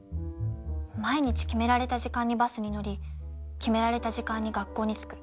毎日決められた時間にバスに乗り決められた時間に学校に着く。